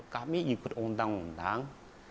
kami ikut undang undang